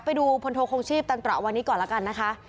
ไปดูพลโทคงชีพตันตระวันนี้ก่อนแล้วกันนะคะ